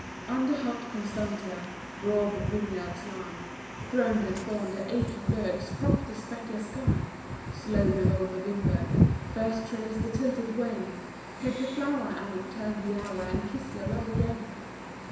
Under hot Constantia broad the vineyards lie Throned and thorned the aching berg props the speckless sky Slow below the Wynberg firs trails the tilted wain Take the flower arid turn the hour, and kiss your love again!